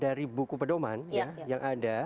dari buku pedoman yang ada